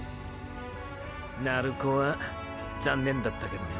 鳴子は残念だったけどな。